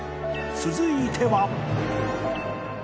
続いては